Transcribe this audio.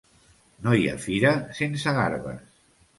No hi ha fira sense garbes.